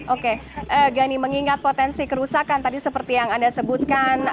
oke gani mengingat potensi kerusakan tadi seperti yang anda sebutkan